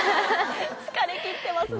疲れ切ってますね。